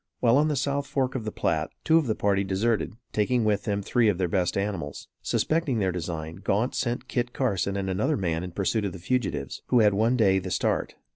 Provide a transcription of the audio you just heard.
While on the south fork of the Platte, two of the party deserted, taking with them three of their best animals. Suspecting their design, Gaunt sent Kit Carson and another man in pursuit of the fugitives, who had one day the start.